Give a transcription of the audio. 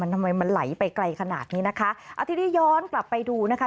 ทำไมมันไหลไปไกลขนาดนี้นะคะเอาทีนี้ย้อนกลับไปดูนะคะ